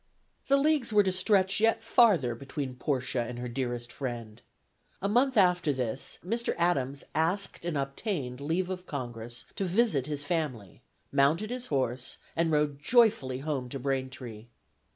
The leagues were to stretch yet farther between Portia and her dearest friend. A month after this, Mr. Adams asked and obtained leave of Congress to visit his family, mounted his horse, and rode joyfully home to Braintree.